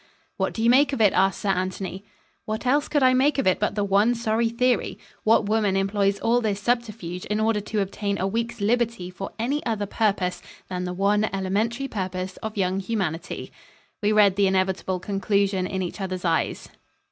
"What do you make of it?" asked Sir Anthony. What else could I make of it but the one sorry theory? What woman employs all this subterfuge in order to obtain a weeks liberty for any other purpose than the one elementary purpose of young humanity? We read the inevitable conclusion in each other's eyes.